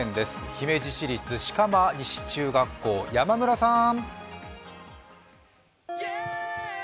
姫路市立飾磨西中学校、山村さん。